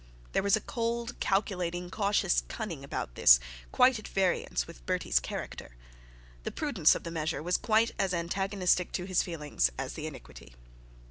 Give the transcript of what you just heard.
There was a cold, calculating, cautious cunning about this quite at variance with Bertie's character. The prudence of the measure was quite as antagonistic to his feelings as the iniquity.